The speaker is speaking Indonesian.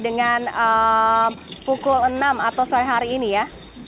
dengan pukul enam atau sore hari ini ya